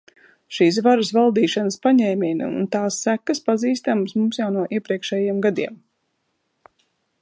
Šīs varas valdīšanas paņēmieni un tās sekas pazīstamas mums jau no iepriekšējiem gadiem.